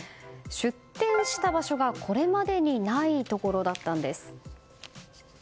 出店した場所がこれまでにないところだったんです。